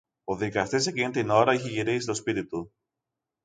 Ο δικαστής εκείνη την ώρα είχε γυρίσει στο σπίτι του